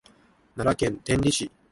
奈良県天理市